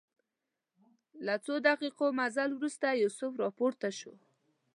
له څو دقیقو مزل وروسته یوسف راپورته شو.